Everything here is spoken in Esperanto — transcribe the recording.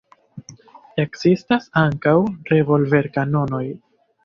Ekzistas ankaŭ revolverkanonoj.